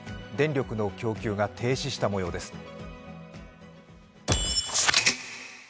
電力の供給が停止した模様です。